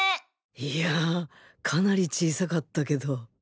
いやかなり小さかったけど